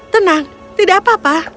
tenang tidak apa apa